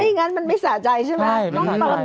อย่างนั้นมันไม่สะใจใช่ไหม